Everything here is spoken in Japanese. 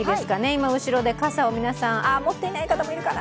今、後ろで傘を皆さん、持っていない方もいるかな？